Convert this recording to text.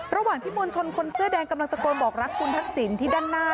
ระหว่างที่มวลชนคนเสื้อแดงกำลังตะโกนบอกรักคุณทักษิณที่ด้านหน้า